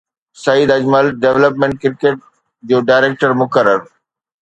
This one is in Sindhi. سعيد اجمل ڊولپمينٽ ڪرڪيٽ جو ڊائريڪٽر مقرر